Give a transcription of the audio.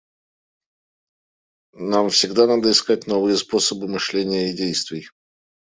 Нам всегда надо искать новые способы мышления и действий.